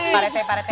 pak rt pak rt